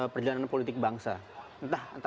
perjalanan politik bangsa entah